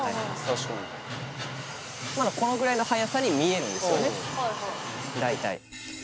確かにこのくらいの速さに見えるんですよね